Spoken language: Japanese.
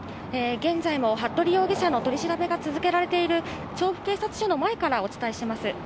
現在も服部容疑者の取り調べが続けられている、調布警察署の前からお伝えします。